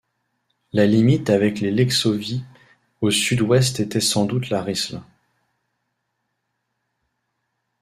La limite avec les Lexovii au sud ouest était sans doute la Risle.